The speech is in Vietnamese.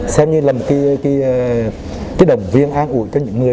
xem như là một cái động viên an ủi cho những người